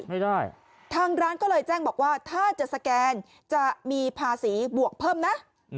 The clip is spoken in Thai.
ไม่ได้ทางร้านก็เลยแจ้งบอกว่าถ้าจะสแกนจะมีภาษีบวกเพิ่มนะ